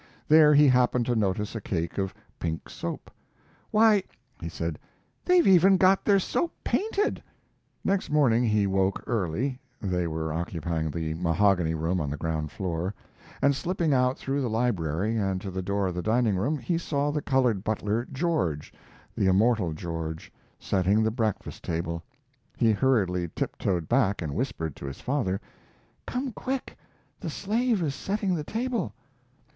There he happened to notice a cake of pink soap. "Why," he said, "they've even got their soap painted!" Next morning he woke early they were occupying the mahogany room on the ground floor and slipping out through the library, and to the door of the dining room, he saw the colored butler, George the immortal George setting the breakfast table. He hurriedly tiptoed back and whispered to his father: "Come quick! The slave is setting the table!"